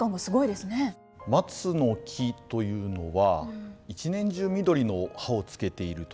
松の木というのは一年中緑の葉を付けているということ。